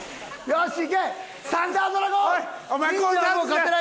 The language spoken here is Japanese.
よし！